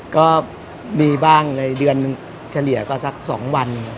ก็มีบ้างเลยเดือนเฉลี่ยก็ซัก๒วัน